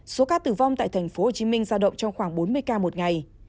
số k tử vong tại thành phố hồ chí minh ra động trong khoảng bốn mươi k một ngày